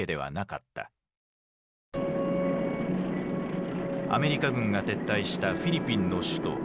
アメリカ軍が撤退したフィリピンの首都マニラ。